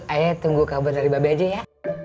ayah tunggu kabar dari mbak be aja ya